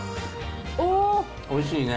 おいしいね。